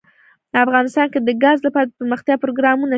افغانستان کې د ګاز لپاره دپرمختیا پروګرامونه شته.